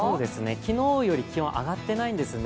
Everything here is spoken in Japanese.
昨日より気温は上がっていないんですね。